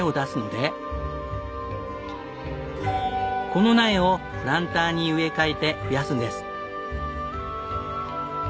この苗をプランターに植え替えて増やすんです。